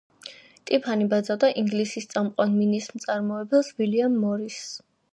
ტიფანი ბაძავდა ინგლისის წამყვან მინის მწარმოებელს ვილიამ მორისს.